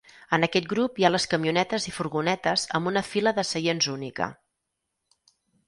En aquest grup hi ha les camionetes i furgonetes amb una fila de seients única.